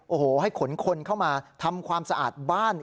โอ้โหให้ขนคนเข้ามาทำความสะอาดบ้าน